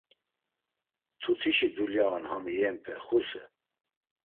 “Mtutişi dulya on ham na iyenpe Xuse.”